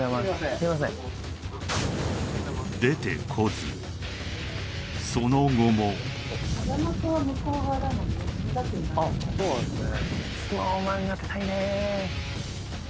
すいませんその後もあっそうなんですね